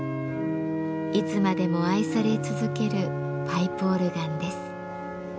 いつまでも愛され続けるパイプオルガンです。